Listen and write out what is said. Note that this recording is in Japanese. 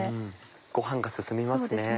ご飯が進みますね。